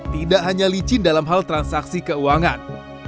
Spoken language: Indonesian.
tidak hanya licin dalam hal transaksi keuangan